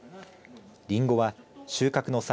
りんごは収穫の際